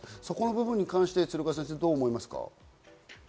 その部分に関してどう思いますか？